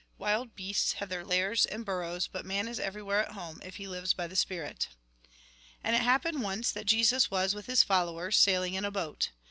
Wild beasts have their lairs and burrows, but man is everywhere at home, if he lives by the spirit." And it happened once that Jesus was, with his followers, sailing in a boat.